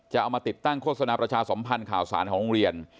เอามาติดตั้งโฆษณาประชาสมพันธ์ข่าวสารของโรงเรียน